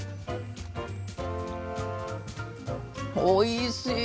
おいしい！